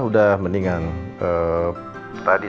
dan siap jambu